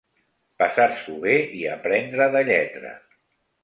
Passar-s'ho bé i aprendre de lletra.